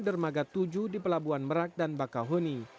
dermaga tujuh di pelabuhan merak dan bakau huni